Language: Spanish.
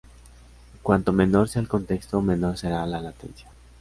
Cuanto menor sea el contexto menor será la latencia.